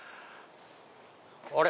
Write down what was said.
あれ⁉